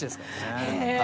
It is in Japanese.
へえ。